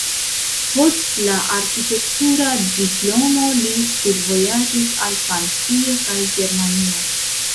Post la arkitektura diplomo li studvojaĝis al Francio kaj Germanio.